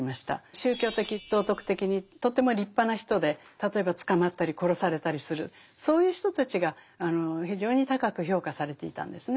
宗教的道徳的にとても立派な人で例えば捕まったり殺されたりするそういう人たちが非常に高く評価されていたんですね。